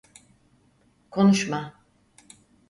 Konuşma.